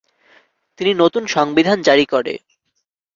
তিনি নতুন সংবিধান জারি করে।